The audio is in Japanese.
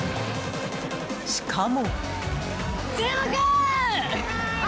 しかも。